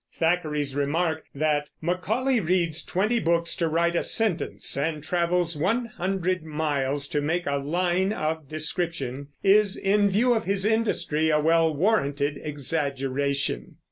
Thackeray's remark, that "Macaulay reads twenty books to write a sentence and travels one hundred miles to make a line of description," is, in view of his industry, a well warranted exaggeration.